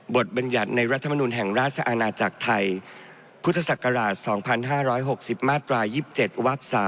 บัญญัติในรัฐมนุนแห่งราชอาณาจักรไทยพุทธศักราช๒๕๖๐มาตรา๒๗วัก๓